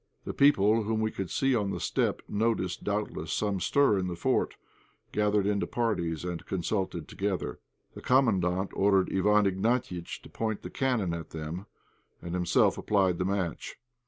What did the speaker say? The people whom we could see on the steppe, noticing doubtless some stir in the fort, gathered into parties, and consulted together. The Commandant ordered Iwán Ignatiitch to point the cannon at them, and himself applied the match.